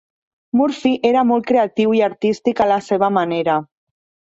Murphy era molt creatiu i artístic a la seva manera.